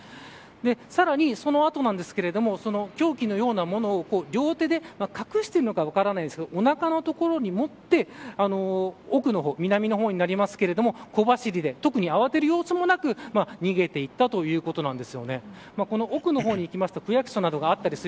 さらに、その後なんですけれども凶器のようなものを両手で隠しているのか分からないですけどおなかのところに持って奥の方南の方になりますけれども小走りで、特に慌てる様子もなく逃げていたということなんです。